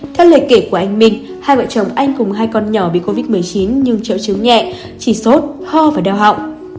theo lời kể của anh minh hai vợ chồng anh cùng hai con nhỏ bị covid một mươi chín nhưng triệu chứng nhẹ chỉ sốt ho và đau họng